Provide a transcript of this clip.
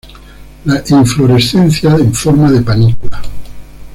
La inflorescencia en forma de panícula.